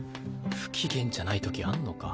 不機嫌じゃないときあんのか？